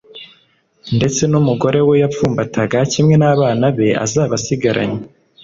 ndetse n’umugore we yapfumbataga, kimwe n’abana be azaba asigaranye,